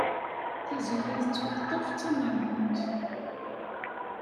Tiziri tettwaḍḍef d tameṛhunt.